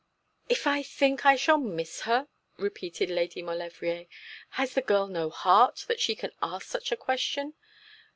'If I think I shall miss her!' repeated Lady Maulevrier. 'Has the girl no heart, that she can ask such a question?